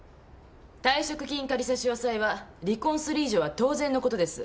退職金仮差し押さえは離婚する以上は当然のことです。